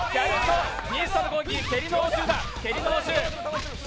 西さんの攻撃、蹴りの応酬だ。